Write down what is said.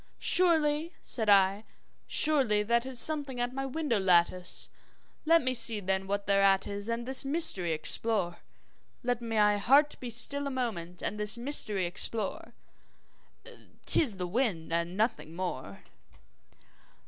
`Surely,' said I, `surely that is something at my window lattice; Let me see then, what thereat is, and this mystery explore Let my heart be still a moment and this mystery explore; 'Tis the wind and nothing more!'